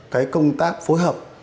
cái công tác phối hợp